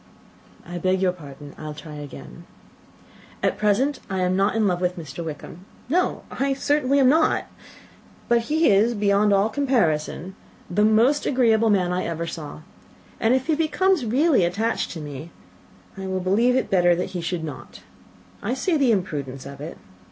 "I beg your pardon. I will try again. At present I am not in love with Mr. Wickham; no, I certainly am not. But he is, beyond all comparison, the most agreeable man I ever saw and if he becomes really attached to me I believe it will be better that he should not. I see the imprudence of it.